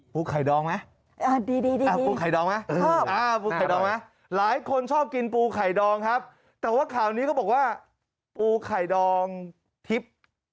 ปูไข่ดองมั้ยปูไข่ดองมั้ยหลายคนชอบกินปูไข่ดองครับแต่ว่าข่าวนี้ก็บอกว่าปูไข่ดองทิพย์